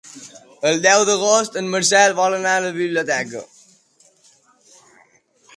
El deu d'agost en Marcel vol anar a la biblioteca.